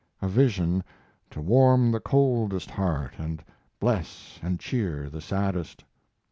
a vision to warm the coldest heart and bless and cheer the saddest."